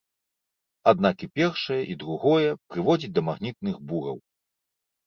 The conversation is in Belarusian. Аднак і першае, і другое прыводзіць да магнітных бураў.